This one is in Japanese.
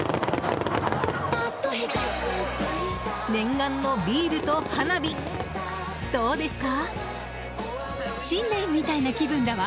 念願のビールと花火どうですか？